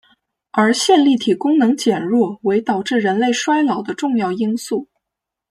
而线粒体功能减弱为导致人类衰老的重要因素。